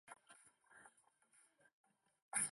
当地的公司免费地将这些屋子改造成办公室。